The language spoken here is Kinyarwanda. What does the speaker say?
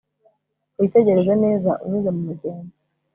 Witegereze neza unyuze mumigenzo